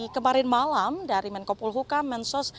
kemarin malam dari menko pulhukam mensos